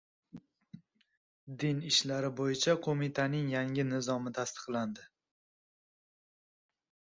Din ishlari bo‘yicha qo‘mitaning yangi nizomi tasdiqlandi